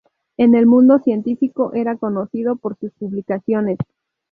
En el mundo científico era conocido por sus publicaciones.